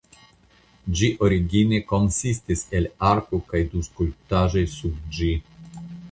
Ĝi origine konsistis el arko kaj du skulptaĵoj sub ĝi.